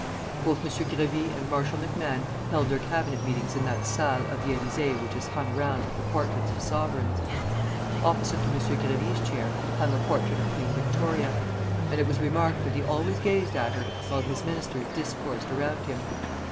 Both M. Grévy and Marshal MacMahon held their Cabinet meetings in that salle of the Élysée which is hung round with the portraits of sovereigns. Opposite to M. Grévy's chair hung a portrait of Queen Victoria; and it was remarked that he always gazed at her while his ministers discoursed around him.